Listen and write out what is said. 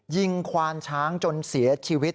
ควานช้างจนเสียชีวิต